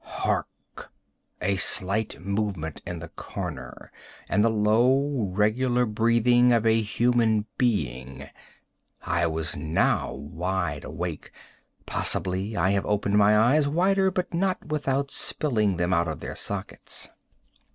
Hark! A slight movement in the corner, and the low, regular breathing of a human being! I was now wide awake. Possibly I could have opened my eyes wider, but not without spilling them out of their sockets.